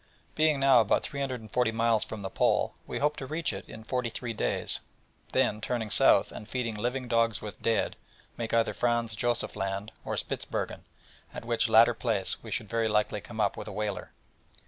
Being now about 340 miles from the Pole, we hoped to reach it in 43 days, then, turning south, and feeding living dogs with dead, make either Franz Josef Land or Spitzbergen, at which latter place we should very likely come up with a whaler.